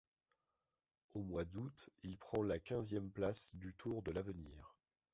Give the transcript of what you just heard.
Au mois d'août, il prend la quinzième place du Tour de l'Avenir.